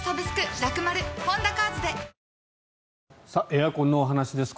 エアコンのお話です。